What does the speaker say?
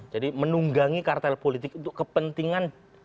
jadi menunggangi kartel politik untuk kepentingan